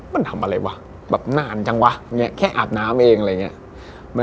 มันทำอะไรวะแบบนานจังวะเนี่ยแค่อาบน้ำเองอะไรอย่างนี้